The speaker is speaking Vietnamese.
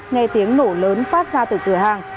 nghe tiếng nổ lớn phát ra từ cửa hàng